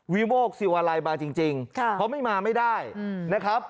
วิโมกศิวาลัยมาจริงจริงค่ะเพราะไม่มาไม่ได้อืมนะครับ